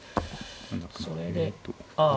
それであ。